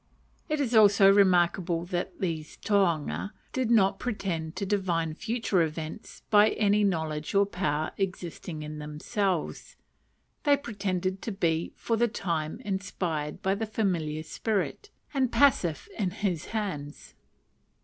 It is also remarkable that these tohunga did not pretend to divine future events by any knowledge or power existing in themselves; they pretended to be for the time inspired by the familiar spirit, and passive in his hands.